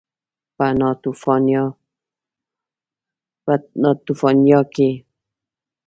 په ناتوفیان کې دې ودې ژورو درزونو ته لار هواره کړې وای